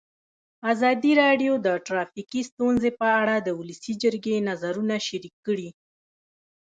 ازادي راډیو د ټرافیکي ستونزې په اړه د ولسي جرګې نظرونه شریک کړي.